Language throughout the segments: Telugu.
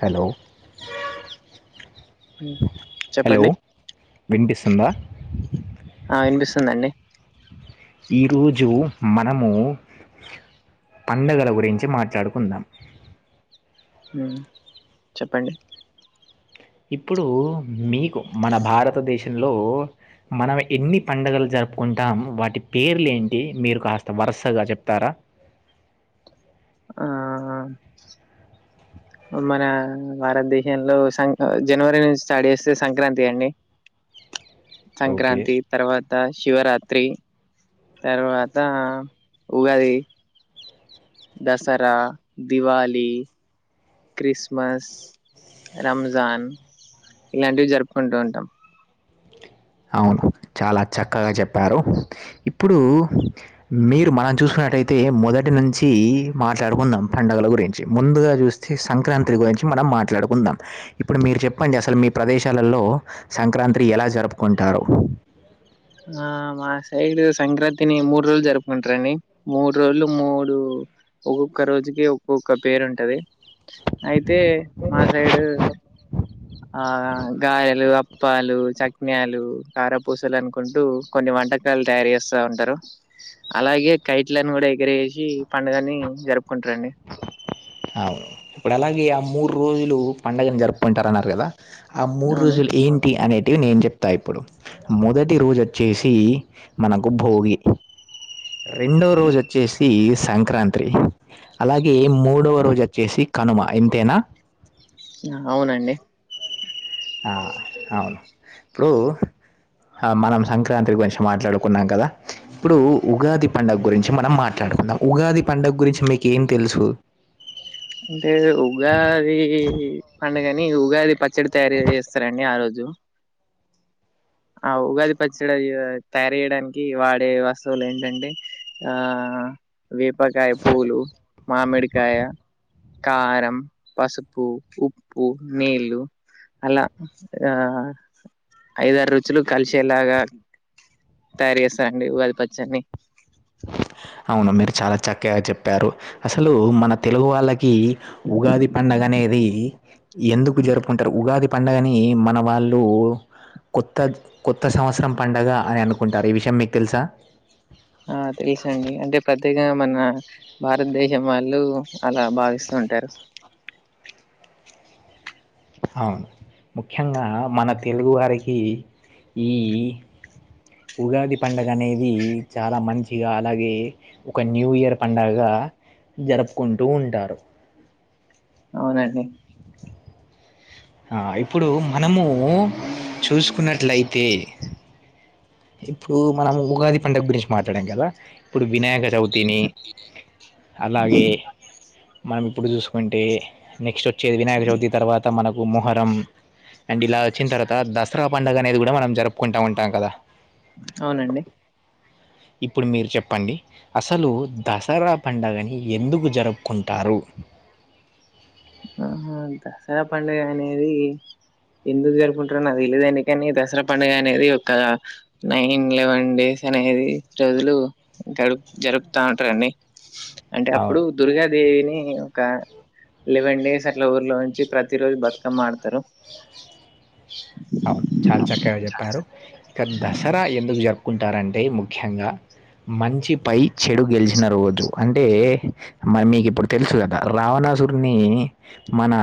హలో హలో చెప్పండి వినిపిస్తుందా ఆ వినిపిస్తుంది అండి ఈరోజు మనము పండగల గురించి మాట్లాడుకుందాం ఉమ్ చెప్పండి ఇప్పుడు మీకు మన భారతదేశంలో మనం ఎన్ని పండగలు జరుపుకుంటాం వాటి పేర్లు ఏంటి మీరు కాస్త వరుసగా చెప్తారా ఆ మన భారతదేశంలో సం జనవరి నుంచి స్టార్ట్ చేస్తే సంక్రాంతి అండి ఓకే సంక్రాంతి తర్వాత శివరాత్రి తర్వాత ఉగాది దసరా దివాలి క్రిస్మస్ రంజాన్ ఇలాంటివి జరుపుకుంటూ ఉంటాం అవును చాలా చక్కగా చెప్పారు ఇప్పుడు మీరు మనం చూసుకున్నట్టయితే మొదటి నుంచి మాట్లాడుకుందాం పండుగల గురించి ముందుగా చు స్తే సంక్రాంతి గురించి మనం మాట్లాడుకుందాం ఇప్పుడు మీరు చెప్పండి అసలు మీ ప్రదేశాలలో సంక్రాంతి ఎలా జరుపుకుంటారు ఆ మా సైడ్ సంక్రాంతిని మూడు రోజులు జరుపుకుంటారండి మూడు రోజులు మూడు ఒక్కొక్క రోజుకి ఒక్కొక్క పేరు ఉంటది అయితే మా సైడ్ ఆ గాయలు అప్పాలు చక్నాలు కారపూసలు అనుకుంటూ కొన్ని వంటకాలు తయారు చేస్తా ఉంటారు అలాగే కైట్లను కూడా ఎగిరేసి పండుగని జరుపుకుంటారండి అవును ఇప్పుడు అలాగే ఆ మూడు రోజులు పండుగను జరుపుకుంటారన్నారు కదా ఆ మూడు అవును రోజులు ఏంటి అనేటివి నేను చెప్ తా ఇప్పుడు మొదటి రోజు వచ్చేసి మనకు భోగి రెండో రోజు వచ్చేసి సంక్రాంత్రి అలాగే మూడో రోజు వచ్చేసి కనుమ ఇంతేనా అవునండి ఆ అవును ఇప్పుడు మనం సంక్రాంతి గురించి మాట్లాడుకున్నాం కదా ఇప్పుడు ఉగాది పండుగ గురించి మనం మాట్లాడుకుందాం ఉగాది పండుగ గురించి మీకేం తెలుసు అంటే ఉగాది అనేని ఉగాది పచ్చ చడి తయారు చేస్తరండి ఆ రోజు ఆ ఉగాది పచ్చడి తయారు చేయడానికి వాడే వస్తువులు ఏంటంటే ఆ వేపకాయ పూలు మామిడికాయ కారం పసుపు ఉప్పు నీళ్ళు అలా ఆ ఐదారు రుచులు కలిసేలాగా తయారు చేస్తారండి ఉగాది పచ్చడ్ని అవును మీరు చాలా చక్కగా చెప్పారు అసలు మన తెలుగు వాళ్ళ కీ ఉగాది పండగ అనేది ఎందుకు జరుపుకుంటరు ఉగాది పండగని మన వాళ్ళు కొత్త కొత్త సంవత్సరం పండగ అని అనుకుంటారు ఈ విషయం మీకు తెలుసా ఆ తెలుసండి అంటే పెద్ద గా మన భారతదేశం వాళ్ళు అలా భావిస్తూ ఉంటారు హా ముఖ్యంగా మన తెలుగు వారికి ఈ ఉగాది పండగ అనేది చాలా మంచిగా అలాగే ఒక న్యూ ఇయర్ పండగ జరుపుకుంటూ ఉంటారు అవునండి ఆ ఇప్పుడు మనము చూసుకున్నట్లయితే ఇప్పుడు మనం ఉగాది పండగ గురించి మాట్లాడాం కదా ఇప్పుడు వినాయక చవితిని అలాగే మనం ఇప్పుడు చూసుకు కుంటే నెక్స్ట్ వచ్చేది వినాయక చవితి తర్వాత మనకు మొహరం అండ్ ఇలా వచ్చిన తర్వాత దసరా పండగ అనేది కూడా మనం జరుపుకుంటా ఉంటాం కదా అవునండి ఇప్పుడు మీరు చెప్పండి అసలు దసరా పండగని ఎందుకు జరుపుకుంటారు ఆ దసరా పండుగ అనేది ఎందుకు జరుపుకుంటారో నాకు తెలిదండి కని దసరా పండగ అనేది ఒక నైన్ లెవెన్ డేస్ అనేది రోజులు గపు జరుపుతా ఉంటరండి అంటే అప్పుడు అవును దుర్గాదేవిని ఒక లెవెన్ డేస్ అట్ల ఊర్లో ఉంచి ప్రతి రోజు బతుకమ్మ ఆడుతరు అవును చాలా చక్కగా చెప్పారు ఇక దసరా ఎందుకు జరుపుకుంటారంటే ముఖ్యంగా మంచి పై చెడు గెలిచిన రోజు అంటే మరి మీకు ఇప్పుడు తెలుసు కదా రావణాసురిని మన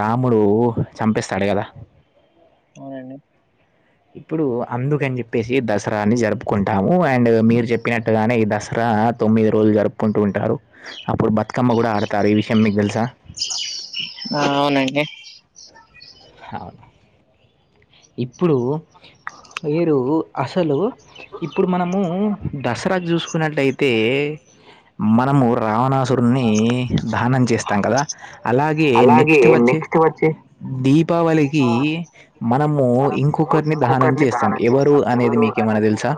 రాముడు చంపేస్తాడు కదా అవునండి ఇప్పుడు అందుకని చెప్పేసి దసరాని జరుపుకుంటాము అండ్ మీరు చెప్పినట్టుగానే ఈ దస రా తొమ్మిది రోజులు జరుపుకుంటూ ఉంటారు అప్పుడు బతుకమ్మ కూడా ఆడతారు ఈ విషయం మీకు తెలుసా ఆ అవునండి అవును ఇప్పుడు మీరు అసలు ఇప్పుడు మనము దసరాకి చూసుకున్నట్లయితే మనము రావణాసురుని దహనం చేస్తాం కదా అలాగే అలాగే నెక్స్ట్ వచ్చి నెక్స్ట్ వచ్చే దీపావళికి ఆ మనము మనం ఇంకొకరిని దహనం చేస్తాం ఎవరు అనేది మీకేమన్నా తెలుసా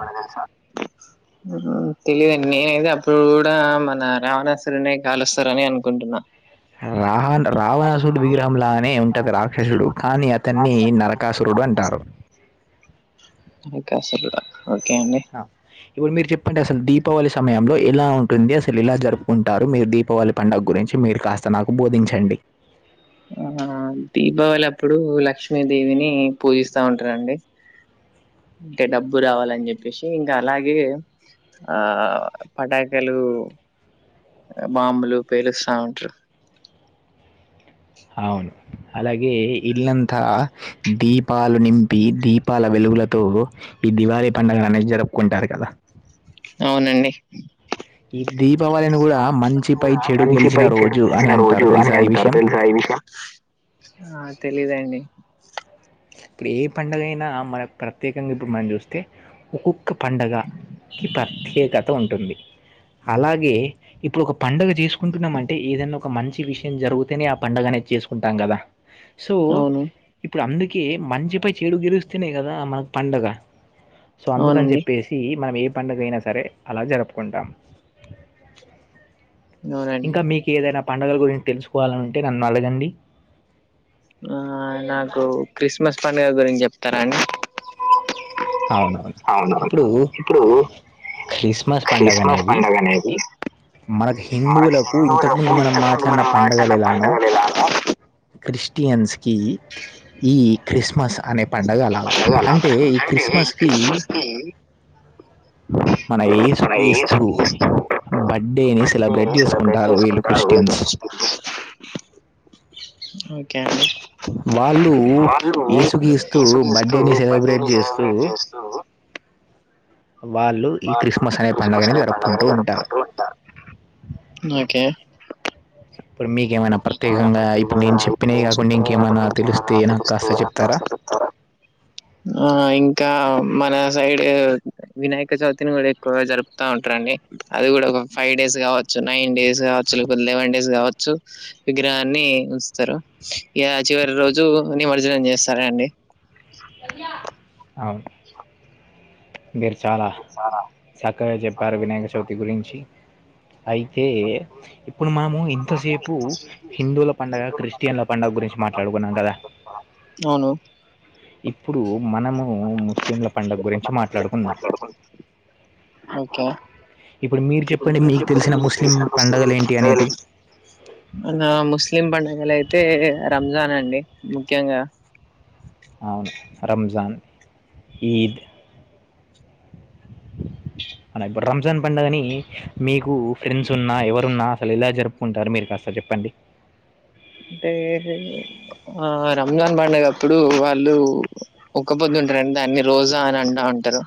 మ్మ్ఉహ్మ్ తెలీదండి నేనైతే అప్పుడు కూడా మన రావణాసుడ్ని కాలుస్తారని అనుకుంటున్నా రాహ రావణాసుడు విగ్రహం లానే ఉంటది రాక్షసుడు కానీ అతన్ని నర కాసూరుడు అంటారు నరకాసురుడా ఓకే అండి ఆ ఇప్పుడు మీరు చెప్పండి అసలు దీపావళి సమయంలో ఎలా ఉంటుంది అసలు ఇలా జరుపుకుంటారు మీరు దీపావళి పండగ గురించి మీరు కాస్తా నాకు బోధించండి ఆ దీపావళి అప్పుడు లక్ష్మీదేవిని పూజిస్తా ఉంటారండి అంటే డబ్బు రావాలని చెప్పేసి ఇంకా అలాగే ఆ పాటకాలు బాంబులు పేలుస్తా ఉంటారు అవును అలాగే ఇల్లంతా దీపాలు నింపి దీపాల వెలుగులతో ఈ దివాళి పండగ అనేది జరుపుకుంటారు కదా అవునండి ఈ దీపావళిని గూడా మంచిపై చెడు మంచి గెలిచిన పై చెడు రోజు అని గెలిచినా అంటారు. రోజు అని తెలుసా ఈ అంటారు విషయం? తెలుసా ఈ విషయం ఆ తెలీదండి ఇప్పుడు ఏ పండగయినా మనకు ప్రత్యేకంగా ఇప్పుడు మనం చూస్తే ఒక్కో క్క పండగ కి ప్రత్యేకత ఉంటుంది అలాగే ఇప్పుడు ఒక పండగ చేసుకుంటున్నాం అంటే ఏదైనా ఒక మంచి విషయం జరుగుతేనే ఆ పండగ అనేది చేసుకుంటాం కదా సో అవును ఇప్పుడు అందు కి మంచి పై చెడు గెలుస్తానే కదా మనకు పండగ సో అందుకని అవునండి చెప్పే సి మనం ఏ పండగ అయినా సరే అలా జరుపుకుంటాం అవునండి ఇంకా మీకు ఏదైనా పండగల గురించి తెలుసుకోవాలనుంటే నన్ను అడగండి ఆ నాకు క్రిస్మస్ పండగ గురించి చెప్తారా అండి అవునవును అవునవును ఇప్పుడు ఇప్పుడు క్రిస్మస్ పండగ క్రిస్మస్ అనేది పండుగ అనేది మనకు మనకి హిందువులకు ఇంతకు హిందువులకు ముందు మనం ఇంతకుముందు మాట్లాడిన మనం పండగలు మాట్లాడిన ఎలానో పండుగలు ఎలాగో క్రిస్టియన్స్‌కి ఈ క్రిస్మస్ అనే పండగ అలాగా పండుగ అంటే అలాగా ఈ అంటే క్రిస్మస్‌కి క్రిస్మస్ కి మన మన ఏసు యేసుక్రీస్తు క్రీస్తు బర్త్డేని సెలబ్రేట్ బర్త్డేని సెలబ్రేట్ చేసుకుంటారు వీళ్ళు చేసుకుంటారు వీళ్ళు క్రిస్టియన్స్ ఓకే అండి వాళ్ళు వాళ్ళు యేసుకిస్తూ ఏసుక్రీస్తు బర్త్డేని సెలబ్రేట్ బర్త్డేని చేస్తూ సెలబ్రేట్ చేస్తూ వాళ్ళు ఈ బాట్న అనే క్రిస్మస్ పండుగని అనే జరుపుకుంటూ పండగని జరుపుకుంటూ ఉంటారు ఇప్పుడు మీకేమైనా మీకేమైనా ప్రత్యేకంగా ఇప్పుడు ప్రత్యేకంగా నేను ఇప్పుడు చెప్పినవి నేను గాకుండా చెప్పినవి ఇంకేమైనా కాకుండా ఇంకేమైనా తెలిస్తే నాకు తెలుస్తే కాస్త నాకు చెప్తారా కాస్త చెప్తారా ఆ ఇంకా మన సైడ్ వినాయక చవితిని గూడ ఎక్కువగా జరుపుతావుంటరండి అది గూడా ఒక ఫైవ్ డేస్ గావచ్ నైన్ డేస్ గావచ్చు లేకపోతే లెవెన్ డేస్ గావచ్చు విగ్రహాన్ని వుంచుతరు ఇగా చివరి రోజు నిమర్జనం చేస్తరండీ బయ్యా అవున్ మీరు చాలా చాలా చక్కగా జెప్పారు చక్కగా వినాయక చెప్పారు చవితి గురించి అయితే ఇప్పుడు ఇప్పుడు మనము మనం ఇంతసేపు ఎక్కువసేపు హిందువుల పండగ, హిందువుల పండుగ క్రిస్టియన్ల పండగ క్రిస్టియన్ల గురించి పండుగ మాట్లాడుకున్నాం కదా మాట్లాడుకుంటున్నాం అవును ఇప్పుడు మనమూ ముస్లింల పండగ్గురించి మాట్లాడుకుందాం ఒకే ఇప్పుడు మీరు చెప్పండి మీకు తెలిసిన ముస్లిం పండగలు ఏంటి అనేది మనా ముస్లిం పండగలయితే రంజాన్ అండి ముఖ్యంగా అవును రంజాన్ ఈద్ అల ఇప్పుడు రంజాన్ పండగని మీకు ఫ్రెండ్స్ ఉన్నా ఎవరున్నా అసలు ఎలా జరుప్ కుంటారు మీరు కాస్త జెప్పండి అంటే ఆ రంజాన్ పండగప్పుడు వాళ్ళు ఒక్క పొద్దుంటరండి దాన్ని రోజా అని అంటా ఉంటరు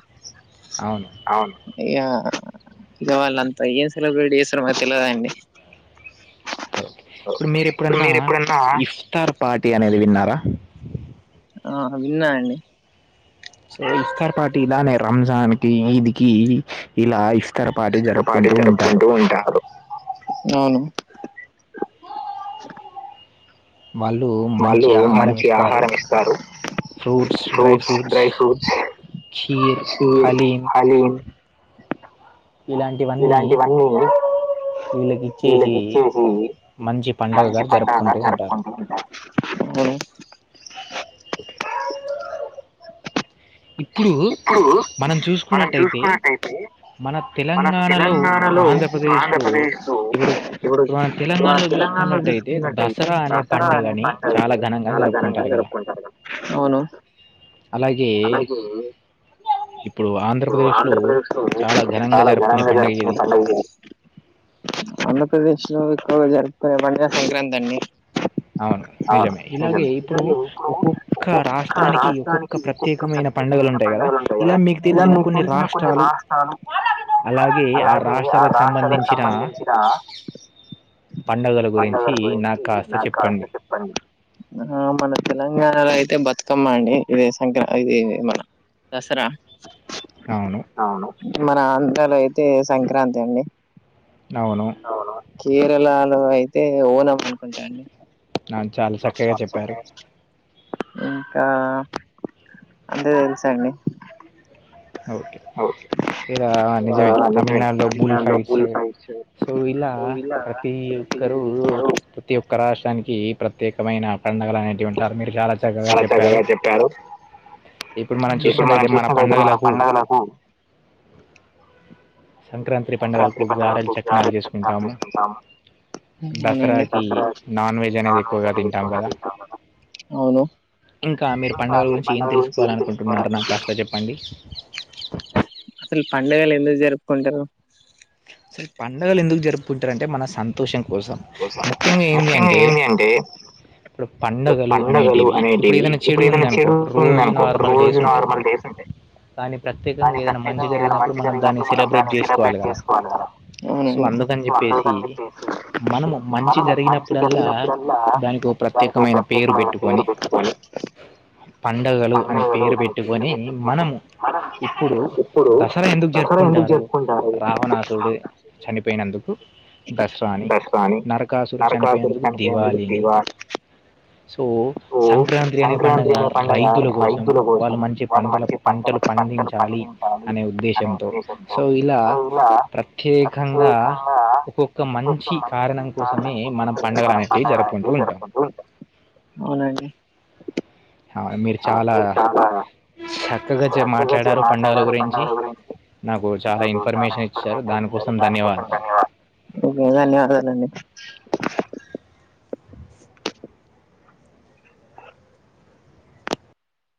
అవును ఇగ గ వాళ్ళంతా ఏం సెలబ్రేట్ జేస్తరో మనకు తెలవదండి ప్పుడు ఇప్పుడు మీరేప్పుడన్నా మీరు ఎప్పుడన్నా ఇఫ్తార్ పార్టీ అనేది విన్నారా అ విన్నా నండి సో ఇఫ్తార్ పార్టీ ఇలానే రంజాన్ కి ఈద్ కి ఇలా ఇస్ ఆ పార్టీ జరుపూకుంటూ ఉంటారు వాళ్ళు వాళ్ళు మంచి ఆహారం మంచి ఇస్తారు ఆహారం ఇస్తారు fruits, dry fruits, dry fruits kheer, kheer haleem haleem ఇలాంటివన్నీ వీళ్ళకి ఇచ్చేసి వీళ్ళకిచ్చేసి మంచి పండగగా మంచి పండుగగా జరుపుకుంటూ జరుపుకుంటూ ఉంటారు ఉమ్ ఇప్పుడు ఇప్పుడూ మనం చూసుకున్నట్టయితే మన మనకు తెలంగాణలో, తెలంగాణలో, ఆంధ్రప్రదేశ్‌లో ఆంధ్రప్రదేశ్ లో ఇప్పుడు ఎవరో ఇప్పుడు మనం మన తెలంగాణలో తెలంగాణలో చూసుకున్నట్టయితే జుసుకున్నట్టయితే దసరా అనే దసరా అనే పండగని చాలా పండగని ఘనంగా చాలా ఘనంగా జరుపుకుంటారు కదా! జరుపుకుంటారు అవును అలాగే అలాగే ఇప్పుడు ఆంధ్రప్రదేశ్ లోని చాలా ఘనంగా జరుపునే పండగ ఏ ఆంధ్రప్రదేశ్ లో ఎక్కువగా జరుపుకునే పండగ సంక్రాంతండి అవును నిజమే ఇలాగే ఇప్పుడు ఒక్కొక్క రాష్ట్రానికి ఒకొక్ ఒక ప్రత్యేకమైన పండగలు ఉంటయి గదా ఇలా మీకు తెలిసిన కొన్ని రాష్ట్రాలు అలాగే ఆ రాష్ట్రాలకు సంబంధించిన పండగల గురించి నాక్ కాస్త చెప్పండి ఆ మన తెలంగాణలో అయితే బతుకమ్మ అండి ఇదే సంక్రా ఇది మన దసరా అవును. మన ఆంధ్రలో అయితే సంక్రాంతి అండి అవును కేరళలో అయితే ఓనం అనుకుంటా అండి నాక్ చాలా అవును, చక్కగా అవును, జేప్పారు ఓకే. ఇంకా అంతే తెలుసాండి ఓకే ఇగ నిజమే తమినాడులో బుల్ ఫైట్స్ సో ఇలా ప్రతి ఒక్కరు ప్రతి ఒక్క రాష్ట్రానికి ప్రత్యేకమైన పండగలు అనేటివి ఉంటారు మీరు చాలా చాలా చక్కగా చెప్పారు ఇప్పుడు మనం చూసినటైతే మన పండుగలకు పండుగలకు సంక్రాంతి గారెలు పండుగకు చక్నాలు చారనాలు చేసుకుంటాము చేసుకుంటాం అవునండి దసరాకి నాన్ వెజ్ అనేది ఎక్కువగా తింటాం కదా అవును ఇంకా మీరు పండుగల గురించి ఏం తెలుసుకోవాల అనుకుంటున్నారు నాకు కాస్త జేప్పండి అసల్ పండగలు ఎందుకు జరుపుకుంటారు అసల్ పండగల్ ఎందుకు జరుపుకుంటారంటే మన సం తోషం కోసం ముఖ్యంగా ఏంది అంటే ఇప్పుడు పండగలు అనేటివి ఇప్పుడు ఏదైనా చెడు ఉందనుకో రోజు నార్మల్ డేస్ ఉంటాయి కానీ ప్రత్యేకంగా దాని ఏదైనా మంచి ప్రత్యేకంగా ఏదైనా జరిగినప్పుడు మంచి మనం దాన్ని జరిగినప్పుడు సెలబ్రేట్ దాన్ని జేసుకోవాల గదా చేసుకోవాలి కదా సో అవునండి అందుకని సో జేప్పేసి అందుకని చెప్పేసి మనము మంచి మనం మంచి జరిగినప్పుడల్లా జరిగినప్పుడల్లా దానికి ఒ దానికి ఒక ప్రత్యేకమైన పేరు ప్రత్యేకమైన బెట్టుకొని పెట్టుకొని పండగలు అనే పండుగలు పేరు బెట్టుకొని పెట్టుకొని మనము మనం ఇప్పుడు ఇప్పుడు దసరా ఎందుకు దసరా ఎందుకు జరుపుకుంటారు జరుపుకుంటారు రావణాసుడు చనిపోయినందుకు దసరాని దసరా అని నరకాసురు నరకాసురు చనిపోయినందుకు చనిపోయేందుకు దివాళిని దివాళి సో సో సంక్రాంతి అనే పండగ సంక్రాంతి అనే పండుగ రైతుల కోసం రైతుల కోసం వాళ్ళు మంచి వాళ్ళు పంటల మంచి పంటల పంటలు పంటలు పండించాలి అనే ఉద్దేశంతో సో ఇలా సో ప్రత్యేకంగా ఒక్కొక్ ఒక మంచి కారణం కోసమే మనం పండగలు అనేటివి జరుపుకుంటూ ఉంటాం అవునండి అవును మీరు చాలా చక్కగా మాట్లాడారు పండగల గురించి చాలా నాకు చాలా ఇన్ఫర్మేషన్ ఇఫర్మేషన్ ఇచ్చారు దానికోసం దానికోసం ధన్యవాదాలు ధన్యవాదాలు